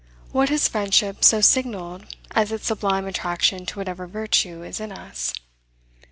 What has friendship so signaled as its sublime attraction to whatever virtue is in us?